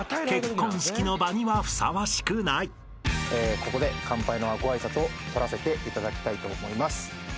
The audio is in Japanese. ここで乾杯のご挨拶を取らせていただきたいと思います。